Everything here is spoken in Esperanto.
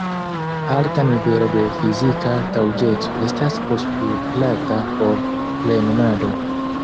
Alta nivelo de fizika taŭgeco estas postulata por plenumado.